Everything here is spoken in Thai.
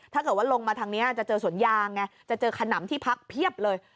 ถ้าเกิดว่าลงมาทางนี้จะเจอสวนยางไงจะเจอขนำที่พักเพียบเลย